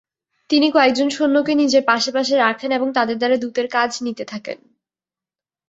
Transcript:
তিনি কয়েকজন সৈন্যকে নিজের পাশে পাশে রাখেন এবং তাদের দ্বারা দূতের কাজ নিতে থাকেন।